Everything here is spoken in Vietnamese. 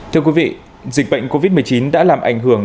thưa quý vị dịch bệnh covid một mươi chín đã làm ảnh hưởng